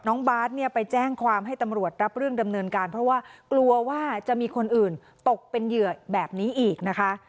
น้องบาทเนี่ยไปแจ้งความให้ตำรวจรับเรื่องดำเนินการเพราะว่ากลัวว่าจะมีคนอื่นตกเป็นเหยื่อแบบนี้อีกนะคะ